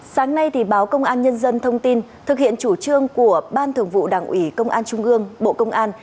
sáng nay báo công an nhân dân thông tin thực hiện chủ trương của ban thường vụ đảng ủy công an trung gương bộ công an